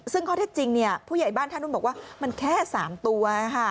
ซึ่งข้อเท็จจริงผู้ใหญ่บ้านท่านุ่นบอกว่ามันแค่๓ตัว